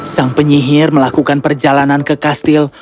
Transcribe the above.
sang penyihir melakukan perjalanan ke kastil